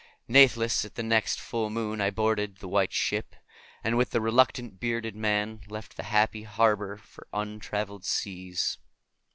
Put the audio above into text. Natheless at the next full moon I boarded the White Ship, and with the reluctant bearded man left the happy harbor for untraveled seas.